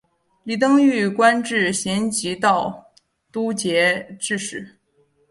李澄玉官至咸吉道都节制使。